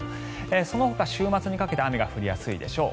そのほか週末にかけて雨が降りやすいでしょう。